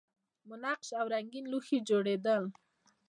منقش او رنګین لوښي جوړیدل